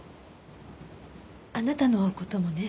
あなたの事もね。